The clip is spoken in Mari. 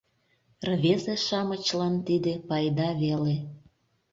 Рвезе-шамычлан тиде пайда веле